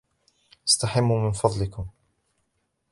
استحموا من فضلكم.